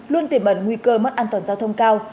luôn tiềm ẩn nguy cơ mất an toàn giao thông cao